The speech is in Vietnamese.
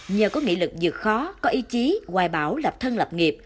nhờ có nghị lực vượt khó có ý chí hoài bảo lập thân lập nghiệp